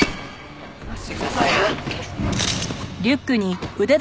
離してください！